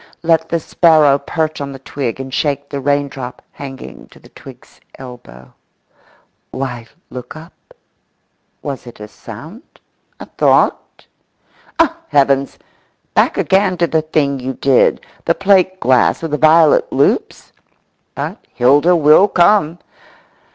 Let the sparrow perch on the twig and shake the raindrop hanging to the twig's elbow.… Why look up? Was it a sound, a thought? Oh, heavens! Back again to the thing you did, the plate glass with the violet loops? But Hilda will come.